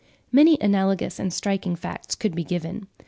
Many analogous and striking facts could be given.